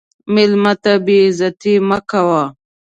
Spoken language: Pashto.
مېلمه ته بې عزتي مه کوه.